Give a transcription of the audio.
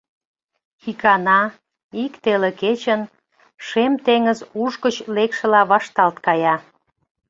Икана, ик теле кечын, Шем теҥыз уш гыч лекшыла вашталт кая.